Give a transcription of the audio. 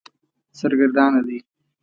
سرګردانه دی.